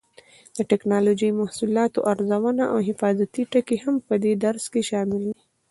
د ټېکنالوجۍ محصولاتو ارزونه او حفاظتي ټکي هم په دې درس کې شامل دي.